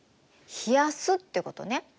冷やすってことね。